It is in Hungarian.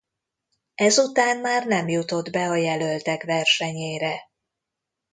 Ezután már nem jutott be a jelöltek versenyére.